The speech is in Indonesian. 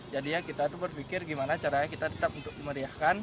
jadinya kita berpikir bagaimana caranya kita tetap memeriahkan